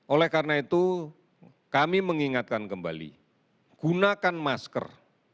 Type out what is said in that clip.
oleh karena itu kami mengingatkan kembali gunakan masker